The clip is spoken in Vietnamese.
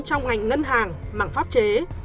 trong ngành ngân hàng mảng pháp chế